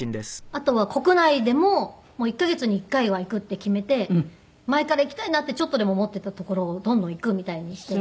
あとは国内でも１カ月に１回は行くって決めて前から行きたいなってちょっとでも思っていた所をどんどん行くみたいにして。